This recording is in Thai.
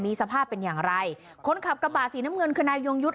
สภาพเป็นอย่างไรคนขับกระบะสีน้ำเงินคือนายยงยุทธ์